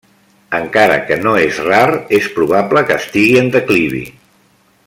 Encara que no és rar, és probable que estigui en declivi.